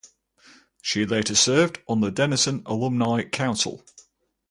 She later served on the Denison Alumni Council.